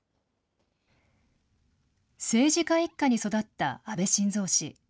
政治家一家に育った安倍晋三氏。